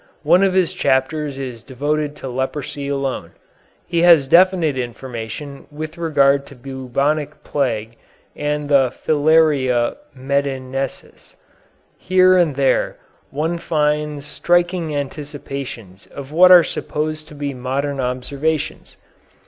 One of his chapters is devoted to leprosy alone. He has definite information with regard to bubonic plague and the filaria medinensis. Here and there one finds striking anticipations of what are supposed to be modern observations.